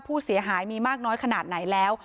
ผู้เสียหายมีมากน้อยขนาดไหนแล้ว